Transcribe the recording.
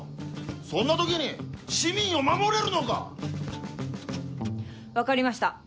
そんな時に市民を守れるのか⁉分かりました